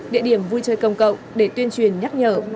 địa điểm vui chơi công cộng để tuyên truyền nhắc nhở